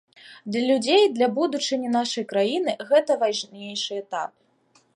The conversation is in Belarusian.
Для людзей, для будучыні нашай краіны гэта важнейшы этап.